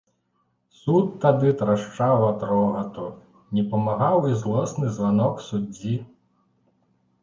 Суд тады трашчаў ад рогату, не памагаў і злосны званок суддзі.